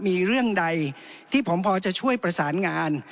มีเรื่องใดที่ผมพอจะช่วยประสานงาน